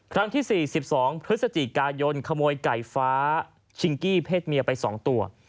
ครั้งที่๔๒พฤศจิกายนขโมยไก่ฟ้าชิงกี้เพศเมียไป๒ตัว